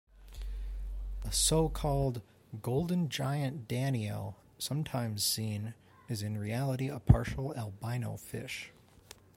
A so-called "golden giant danio", sometimes seen, is in reality a partial albino fish.